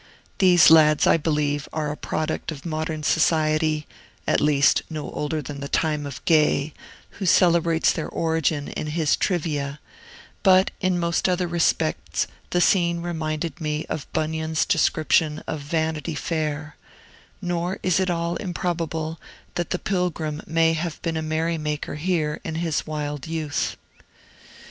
These lads, I believe, are a product of modern society, at least, no older than the time of Gay, who celebrates their origin in his "Trivia"; but in most other respects the scene reminded me of Bunyan's description of Vanity Fair, nor is it at all improbable that the Pilgrim may have been a merry maker here, in his wild youth.